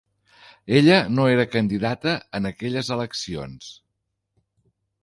Ella no era candidata en aquelles eleccions.